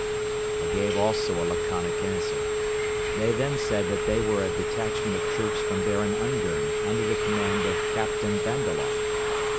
I gave also a laconic answer. They then said that they were a detachment of troops from Baron Ungern under the command of Captain Vandaloff.